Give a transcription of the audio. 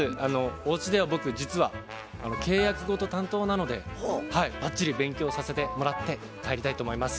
おうちでは僕実は契約ごと担当なのでバッチリ勉強させてもらって帰りたいと思います。